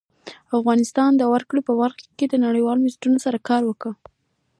افغانستان د وګړي په برخه کې نړیوالو بنسټونو سره کار کوي.